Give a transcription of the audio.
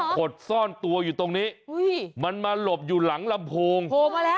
โค้ดส้อนตัวอยู่ตรงนี้เฮ้ยมันเหลิมหลบอยู่หลังลำโพงโปรมาแล้ว